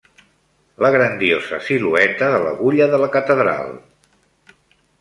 La grandiosa silueta de l'agulla de la Catedral.